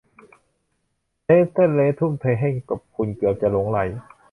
เซอร์เลสเตอร์ทุ่มเทให้กับคุณเกือบจะหลงใหล